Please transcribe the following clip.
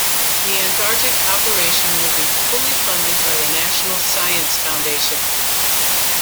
The Antarctic operation would be fully funded by the National Science Foundation.